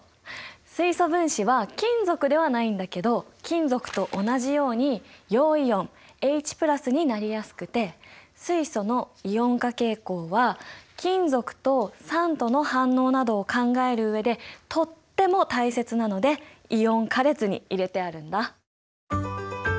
水素分子は金属ではないんだけど金属と同じように陽イオンＨになりやすくて水素のイオン化傾向は金属と酸との反応などを考える上でとっても大切なのでイオン化列に入れてあるんだ。